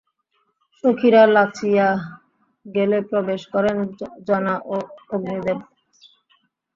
সখীরা লাচিয়া গেলে প্রবেশ করেন জনা ও অগ্নিদেব।